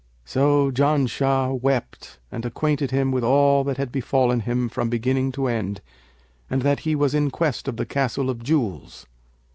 So Janshah wept and acquainted him with all that had befallen him from beginning to end and that he was in quest of the Castle of Jewels.